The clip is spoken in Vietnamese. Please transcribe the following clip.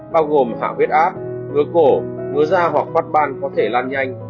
bao gồm hạ viết áp ngứa cổ ngứa da hoặc phát ban có thể lan nhanh